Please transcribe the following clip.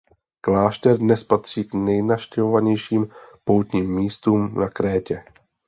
Klášter dnes patří k nejnavštěvovanějším poutním místům na Krétě.